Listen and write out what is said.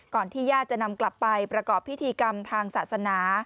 ที่ญาติจะนำกลับไปประกอบพิธีกรรมทางศาสนา